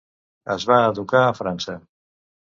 Es va educar a França.